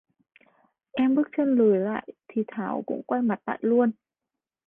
Em bước chân lùi lại thì thảo cũng quay mặt lại luôn